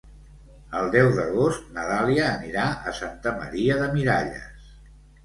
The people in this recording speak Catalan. El deu d'agost na Dàlia anirà a Santa Maria de Miralles.